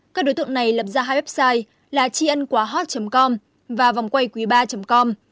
các đối tượng này lập ra hai website là triănquahot com và vòngquayquý ba com